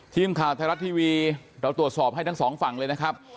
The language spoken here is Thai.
ทีมข่าวไทยรัฐทีวีเราตรวจสอบให้ทั้งสองฝั่งเลยนะครับ